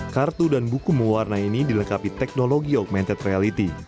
kartu dan buku mewarna ini dilengkapi teknologi augmented reality